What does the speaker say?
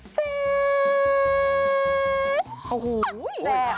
แซ่บ